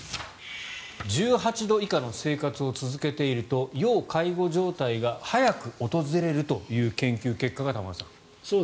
１８度以下の生活を続けていると要介護状態が早く訪れるという研究結果が、玉川さん。